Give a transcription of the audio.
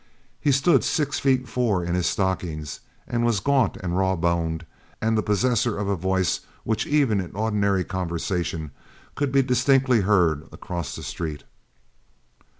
He stood six feet four in his stockings, was gaunt and raw boned, and the possessor of a voice which, even in ordinary conversation, could be distinctly heard across the street.